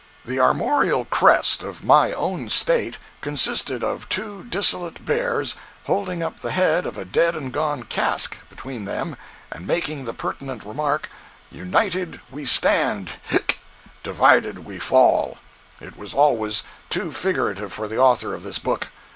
110a.jpg (25K) The armorial crest of my own State consisted of two dissolute bears holding up the head of a dead and gone cask between them and making the pertinent remark, "UNITED, WE STAND—(hic!)—DIVIDED, WE FALL." It was always too figurative for the author of this book.